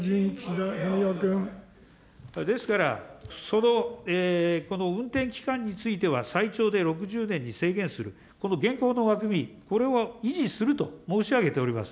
ですから、この運転期間については最長で６０年に制限する、この現行の枠組み、これを維持すると申し上げております。